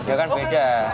ya kan beda